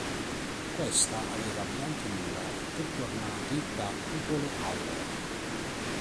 Questa aveva bianche mura e tetti ornati da cupole auree.